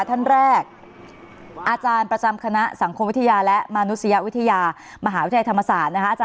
ท่านแรกอาจารย์ประจำคณะสังคมวิทยาและมนุษยวิทยามหาวิทยาลัยธรรมศาสตร์นะคะอาจาร